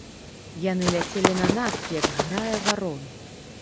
Яны ляцелі на нас, як зграя варон.